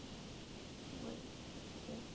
韦陟人。